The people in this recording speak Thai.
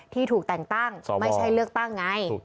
ที่ถูกแต่งตั้งไม่ใช่เลือกตั้งไง